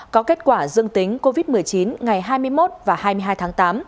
có kết quả dương tính covid một mươi chín ngày hai mươi một và hai mươi hai tháng tám